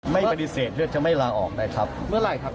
ไม่ปฏิเสธเลือดจะไม่ลาออกนะครับเมื่อไหร่ครับ